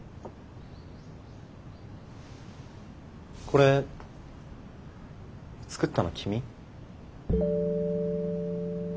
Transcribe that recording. これ作ったの君？